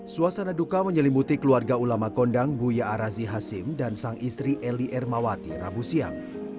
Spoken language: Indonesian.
suasana duka menyelimuti keluarga ulama kondang buya arazi hasim dan sang istri eli ermawati rabu siang